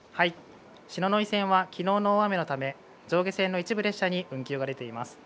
篠ノ井線はきのうの大雨のため、上下線の一部列車に運休が出ています。